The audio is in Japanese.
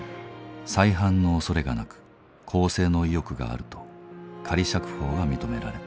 再犯のおそれがなく更生の意欲があると仮釈放が認められた。